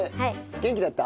元気だった？